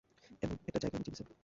এমন একটা জায়গা আমি চিনি, স্যার।